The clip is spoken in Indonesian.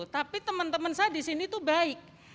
tapi teman teman saya di sini tuh baik